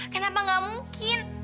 kenapa gak mungkin